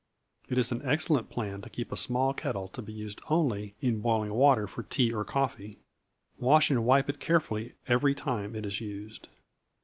It is an excellent plan to keep a small kettle to be used only in boiling water for tea or coffee. Wash and wipe it carefully every time it is used.